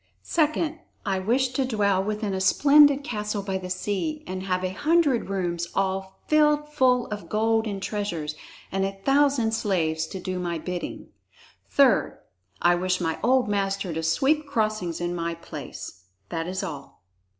"Second, I wish to dwell within a splendid castle by the sea and have a hundred rooms all filled full of gold and treasures, and a thousand slaves to do my bidding. "Third, I wish my old master to sweep crossings in my place. That is all."